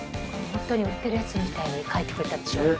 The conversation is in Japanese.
本当に売ってるやつみたいに描いてくれたんでしょ？